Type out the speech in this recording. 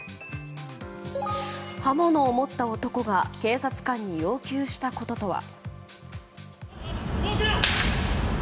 刃物を持った男が警察官に要求したこととは。